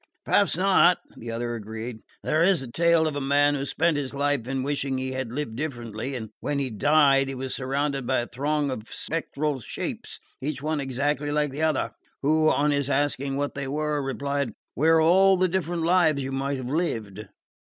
"Perhaps not," the other agreed. "There is a tale of a man who spent his life in wishing he had lived differently; and when he died he was surrounded by a throng of spectral shapes, each one exactly like the other, who, on his asking what they were, replied: 'We are all the different lives you might have lived.'"